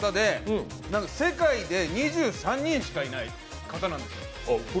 世界で２３人しかいない方なんです。